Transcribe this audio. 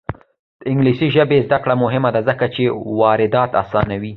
د انګلیسي ژبې زده کړه مهمه ده ځکه چې واردات اسانوي.